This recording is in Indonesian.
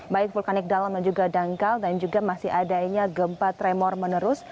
baik vulkanik dalam dan juga dangkal dan juga masih adanya gempa tremor menerus